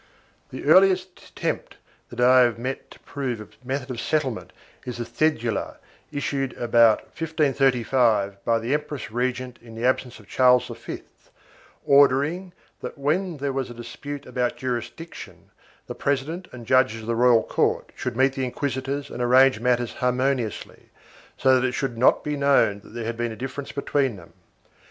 The earliest attempt that I have met to provide a method of settlement is a cedula, issued about 1535 by the empress regent in the absence of Charles V, ordering that, when there was a dispute about jurisdiction, the president and judges of the royal court should meet the inquisitors and arrange matters harmoniously, so that it should not be known that there had been a difference between them.